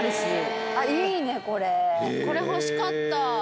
これ欲しかった。